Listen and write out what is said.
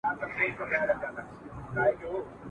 او د هغوی له پالني سره يې